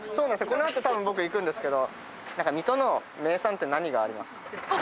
この後僕行くんですけど水戸の名産って何がありますか？